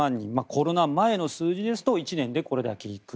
コロナ前の数字ですと１年でこれだけ行く。